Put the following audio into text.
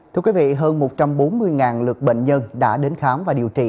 thưa quý vị hơn một trăm bốn mươi lượt bệnh nhân đã đến khám và điều trị